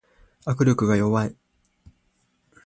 握力が弱い